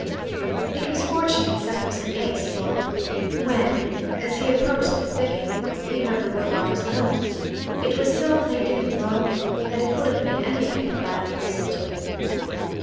It was fortunate such was the case, for when, as he approached the thicket, he heard the Woodlark's note, it was so plaintive and low, that it would have made anybody cry to listen to it.